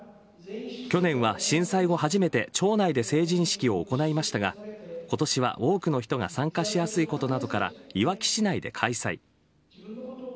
去年は震災後、初めて町内で成人式を行いましたが今年は多くの人が参加しやすいことなどからいわき市内で開催。